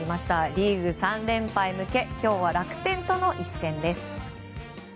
リーグ３連覇へ向け今日は楽天との一戦です。